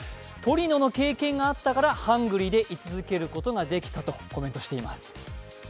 トリノの経験があったからハングリーでい続けることができたとコメントしています。